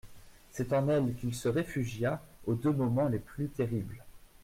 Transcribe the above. C'est en elle qu'il se réfugia aux deux moments les plus terribles.